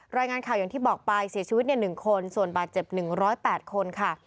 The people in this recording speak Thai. รายงานข่าวอย่างที่บอกไปเสียชีวิตเนี่ยหนึ่งคนส่วนบาดเจ็บหนึ่งร้อยแปดคนค่ะ